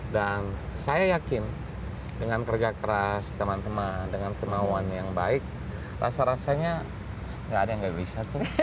saya yakin dengan kerja keras teman teman dengan kemauan yang baik rasa rasanya gak ada yang nggak bisa